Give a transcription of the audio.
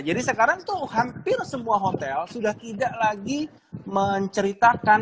jadi sekarang tuh hampir semua hotel sudah tidak lagi menceritakan